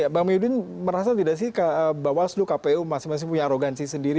bapak mayudin merasa tidak sih ke bawaslu kpu masing masing punya arogansi sendiri